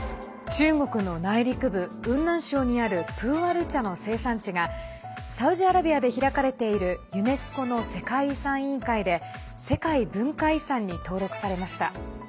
中国の内陸部雲南省にあるプーアル茶の生産地がサウジアラビアで開かれているユネスコの世界遺産委員会で世界文化遺産に登録されました。